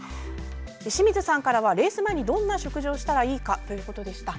清水さんからはレース前にどんな食事をしたらいいかということでした。